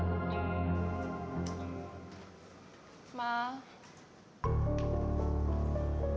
jangan menditari apapun kenawaku dan